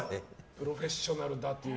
プロフェッショナルだという。